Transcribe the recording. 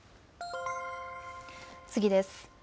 次です。